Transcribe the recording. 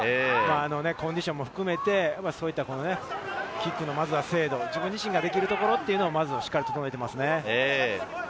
コンディションも含めて、キックの精度、自分自身ができることをしっかり整えていますね。